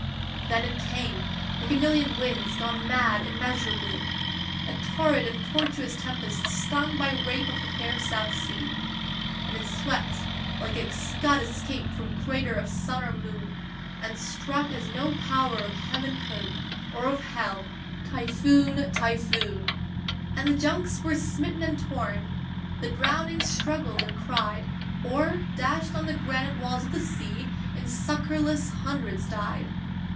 Then it came, like a million winds Gone mad immeasurably, A torrid and tortuous tempest stung By rape of the fair South Sea. And it swept like a scud escaped From crater of sun or moon, And struck as no power of Heaven could, Or of Hell typhoon! typhoon! And the junks were smitten and torn, The drowning struggled and cried, Or, dashed on the granite walls of the sea, In succourless hundreds died.